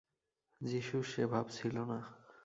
যীশুর সে ভাব ছিল না।